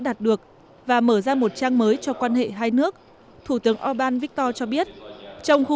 đạt được và mở ra một trang mới cho quan hệ hai nước thủ tướng orbán victor cho biết trong